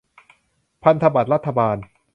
พันธบัตรรัฐบาล